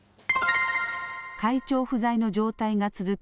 会長不在の状態が続く